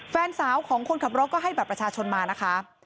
แฟนสาวของคนขับรถก็ให้บัตรประชาชนมานะคะ